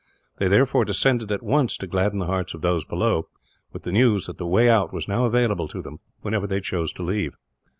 They therefore descended, at once, to gladden the hearts of those below; with the news that the way out was now available to them, whenever they chose to leave.